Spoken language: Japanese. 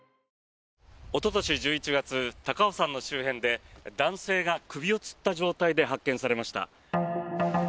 おととし１１月高尾山の周辺で男性が首をつった状態で発見されました。